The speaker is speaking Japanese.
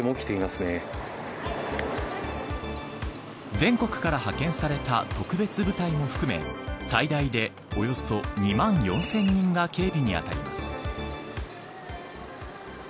全国から派遣された特別部隊も含め最大でおよそ２万４０００人が警備に当たります。